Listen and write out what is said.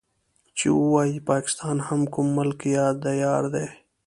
چې ووايي پاکستان هم کوم ملک يا ديار دی.